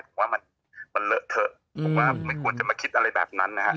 ผมว่ามันเลอะเถอะผมว่าไม่ควรจะมาคิดอะไรแบบนั้นนะฮะ